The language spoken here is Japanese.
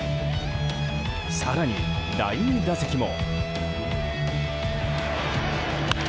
更に第２打席も。